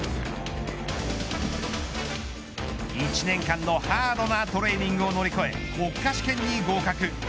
１年間のハードなトレーニングを乗り越え国家試験に合格。